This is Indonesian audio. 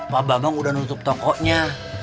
pak babang udah nutup toko nya